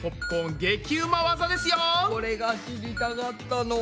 これが知りたかったの。